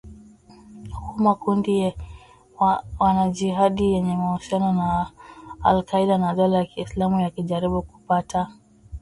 huku makundi ya wanajihadi yenye uhusiano na al Qaeda na dola ya Kiislamu yakijaribu kupata